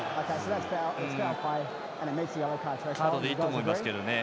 カードでいいと思いますけどね。